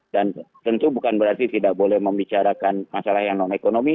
dan tentu bukan berarti tidak boleh membicarakan masalah yang non ekonomi